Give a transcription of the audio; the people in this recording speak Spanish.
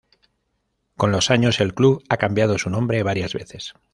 Con los años, el club ha cambiado su nombre varias veces.